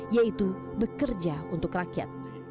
yaitu bekerja untuk rakyat